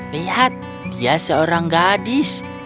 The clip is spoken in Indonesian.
lihat dia seorang gadis